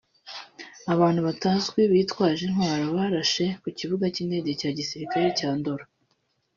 Abantu batazwi bitwaje intwaro barashe ku kibuga cy’indege cya gisirikare cya Ndolo